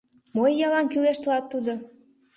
Мо иялан кӱлеш тылат тудо!